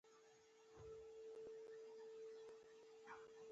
چي هغه باید له اعتباره ولوېږي.